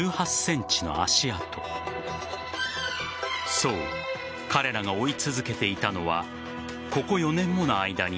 そう、彼らが追い続けていたのはここ４年もの間に